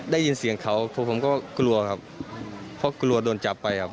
ได้ยินเสียงเขาผมก็กลัวครับเพราะกลัวโดนจับไปครับ